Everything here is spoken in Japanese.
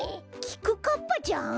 きくかっぱちゃん？